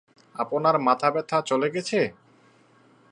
আপনার মাথা ব্যাথা চলে গেছে?